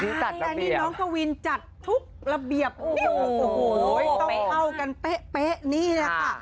น้องกะวินจัดทุกระเบียบต้องเข้ากันเป๊ะนี่นะคะ